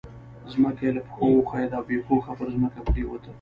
ځمکه يې له پښو وښوېده او بې هوښه پر ځمکه پرېوته.